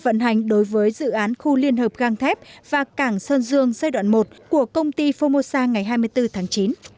vận hành đối với dự án khu liên hợp gang thép và cảng sơn dương giai đoạn một của công ty formosa ngày hai mươi bốn tháng chín